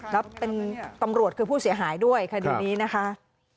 แล้วเป็นตำรวจคือผู้เสียหายด้วยคดีนี้นะคะ